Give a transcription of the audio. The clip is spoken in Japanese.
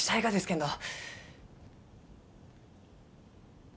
けんど。